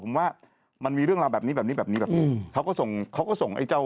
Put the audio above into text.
ผมว่ามันมีเรื่องราวแบบนี้แบบนี้แบบนี้แบบนี้แบบนี้เขาก็ส่งเขาก็ส่งไอ้เจ้า